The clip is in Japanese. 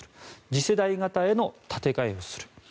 次世代型への建て替えをする。